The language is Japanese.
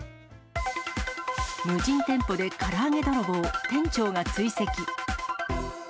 無人店舗でから揚げ泥棒、店長が追跡。